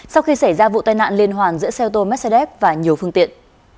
sau khi xảy ra vụ tai nạn liên hoàn giữa xe ô tô mercedes và nhiều phương tiện